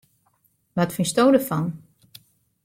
Wat fynsto derfan?